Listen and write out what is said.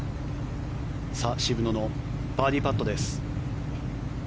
渋野のバーディーパットです。